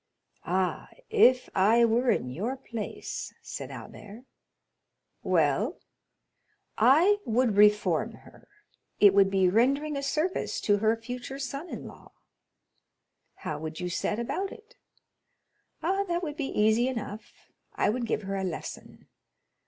"Ah, if I were in your place——" said Albert. "Well?" "I would reform her; it would be rendering a service to her future son in law." "How would you set about it?" "Ah, that would be easy enough—I would give her a lesson."